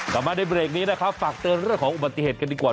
กลับมาในเบรกนี้นะคะฝากเจอเรื่องรัฐของอุบัติเกิดกันดีกว่า